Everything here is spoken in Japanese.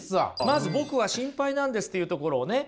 まず「僕は心配なんです」っていうところをね